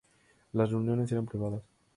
Las reuniones eran privadas.